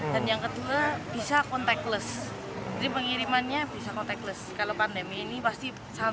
dan yang kedua bisa contactless jadi pengirimannya bisa contactless kalau pandemi ini pasti sangat